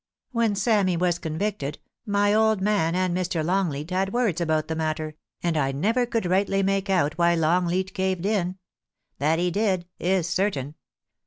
When Sammy was convicted, my old man and Mr. Longleat had words about the matter, and I never could rightly make out why Longleat caved in. That he did, is certain.